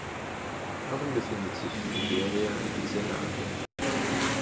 Warum befindet sich Nigeria in dieser Lage?